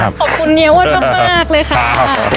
ขอบคุณเยาอ้วนมากเลยค่ะ